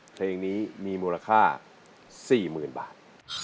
เพลงนี้มีมูลค่า๔๐๐๐บาท